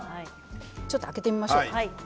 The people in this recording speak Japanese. ちょっと開けてみましょう。